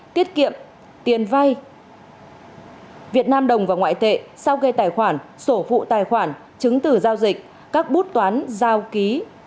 tiết kiệm tiền vay việt nam đồng và ngoại tệ sao gây tài khoản sổ vụ tài khoản chứng từ giao dịch các bút toán giao ký